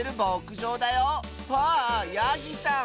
わあヤギさん！